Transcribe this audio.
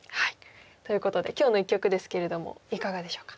ということで今日の一局ですけれどもいかがでしょうか？